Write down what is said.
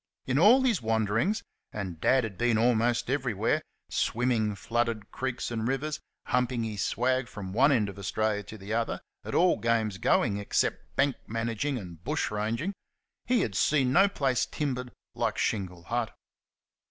In all his wanderings and Dad had been almost everywhere; swimming flooded creeks and rivers, humping his swag from one end of Australia to the other; at all games going except bank managing and bushranging he had seen no place timbered like Shingle Hut.